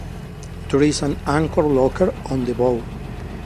There is an anchor locker on the bow.